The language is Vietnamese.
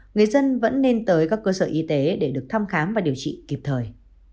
người dân vẫn nên tới các cơ sở y tế để được thăm khám và điều trị kịp thời